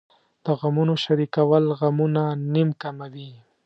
د غمونو شریکول غمونه نیم کموي .